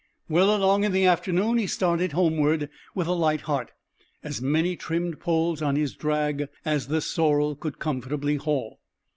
Well along in the afternoon he started homeward with a light heart, as many trimmed poles on his drag as the sorrel could comfortably haul.